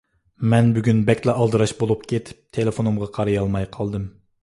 مەن بۈگۈن بەكلا ئالدىراش بولۇپ كېتىپ، تېلېفونغا قارىيالماي قالدىم.